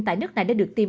tại nước này đã được tiêm